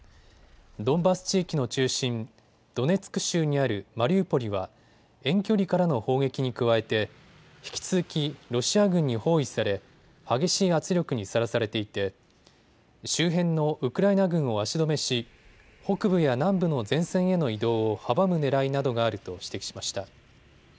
ドンバス地域の中心、ドネツク州にあるマリウポリは遠距離からの砲撃に加えて引き続きロシア軍に包囲され激しい圧力にさらされていて周辺のウクライナ軍を足止めし北部や南部の前線への移動を阻むねらいなどがあると指摘しました。